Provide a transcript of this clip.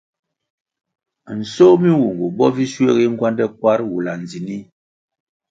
Nsoh mi nwungu bo vi shuegi ngwande kwarʼ wula ndzinih.